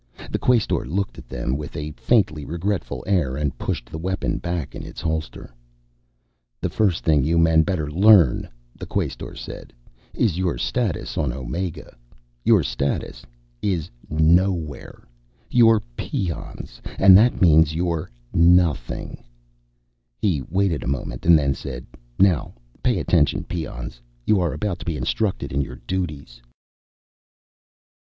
The Quaestor looked at them with a faintly regretful air and pushed the weapon back in its holster. "The first thing you men better learn," the Quaestor said, "is your status on Omega. Your status is nowhere. You're peons, and that means you're nothing." He waited a moment and then said, "Now pay attention, peons. You are about to be instructed in your duties."